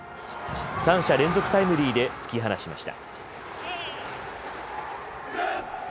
３者連続タイムリーで突き放しました。